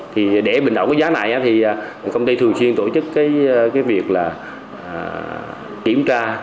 thì để bình ổn cái giá này thì công ty thường xuyên tổ chức cái việc là kiểm tra